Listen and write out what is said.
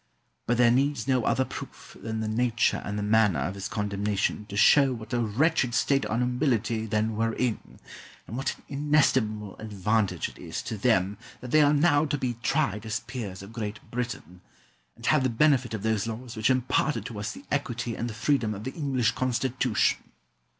But there needs no other proof than the nature and the manner of his condemnation to show what a wretched state our nobility then were in, and what an inestimable advantage it is to them that they are now to be tried as peers of Great Britain, and have the benefit of those laws which imparted to us the equity and the freedom of the English Constitution.